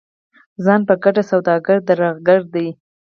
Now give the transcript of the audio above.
ځان په ګټه سوداګر درغلګر دي.